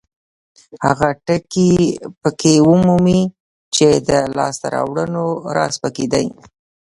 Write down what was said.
هغه ټکي پکې ومومئ چې د لاسته راوړنو راز پکې دی.